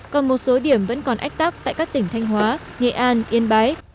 còn một số điểm vẫn còn ách tắc tại các tỉnh thanh hóa nghệ an yên bái